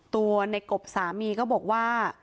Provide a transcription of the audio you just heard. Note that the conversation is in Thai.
ตัวในกบสามีก็บอกว่า